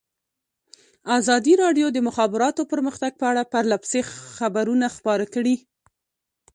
ازادي راډیو د د مخابراتو پرمختګ په اړه پرله پسې خبرونه خپاره کړي.